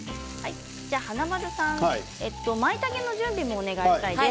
華丸さんはまいたけの準備をお願いします。